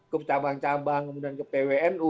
ke cabang cabang kemudian ke pwnu